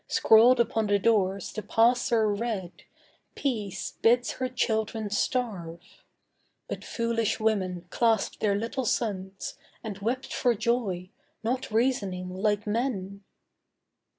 Scrawled upon the doors, The passer read, 'Peace bids her children starve.' But foolish women clasped their little sons And wept for joy, not reasoning like men.